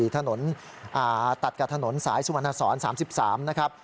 ถนนตัดกับถนนสายสุวรรณสอน๓๓นะครับ